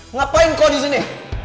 ngapain kok disini